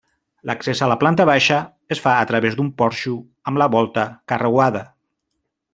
L'accés a la planta baixa es fa a través d'un porxo amb la volta carreuada.